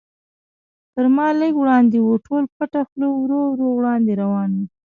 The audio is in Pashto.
تر ما لږ وړاندې و، ټول پټه خوله ورو ورو وړاندې روان و.